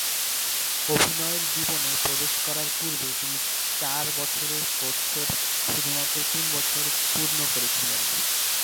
অভিনয়ের জীবনে প্রবেশ করার পূর্বে, তিনি তার চার বছরের কোর্সের শুধুমাত্র তিন বছর পূর্ণ করেছিলেন।